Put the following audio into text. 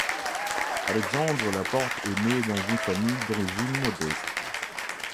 Alexandre Laporte est né dans une famille d'origine modeste.